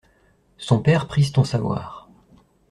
Son père prise ton savoir.